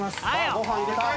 ご飯入れた！